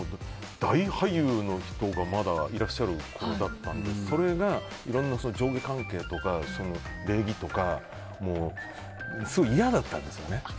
大俳優の人がまだいらっしゃるころだったのでいろんな上下関係とか礼儀とか嫌だったんですよね。